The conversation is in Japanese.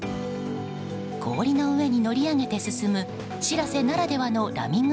氷の上に乗り上げて進む「しらせ」ならではのラミング